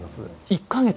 １か月？